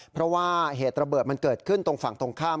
เพราะว่าเหตุระเบิดมันเกิดขึ้นตรงฝั่งตรงข้าม